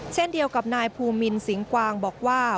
เช่นเดียวกับนายภูมินสิงกวางบอกว่า